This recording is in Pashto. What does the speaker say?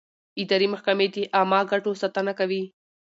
اداري محکمې د عامه ګټو ساتنه کوي.